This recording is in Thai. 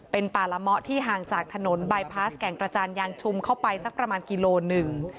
เป็นป่าละเมาะที่ห่างจากถนนบายพาสแก่งกระจานยางชุมเข้าไปสักประมาณกิโลหนึ่ง